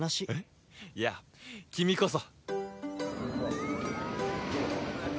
いや君こそ。